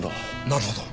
なるほど。